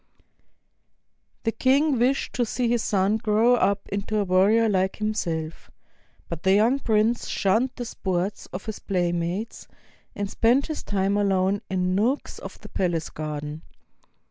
The king wished to see his son grow up into a warrior like himself; but the young prince shunned the sports of his playmates, and spent his time alone in nooks of the palace garden.